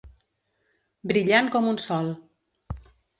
Brillant com un sol.